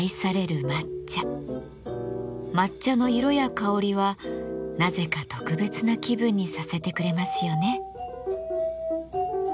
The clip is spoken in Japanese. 抹茶の色や香りはなぜか特別な気分にさせてくれますよね。